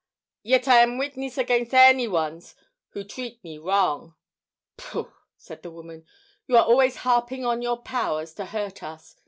Yet I am witness agains' any ones who treat me wrong." "Pooh!" said the woman. "You're always harping on your power to hurt us.